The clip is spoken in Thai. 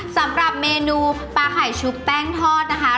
สำหรับเมนูปลาไข่ชุบแป้งทอดนะคะ